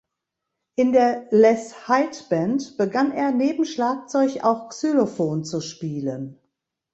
In der "Les Hite Band" begann er, neben Schlagzeug auch Xylophon zu spielen.